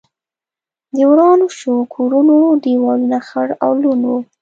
د ورانو شوو کورونو دېوالونه خړ او لوند و.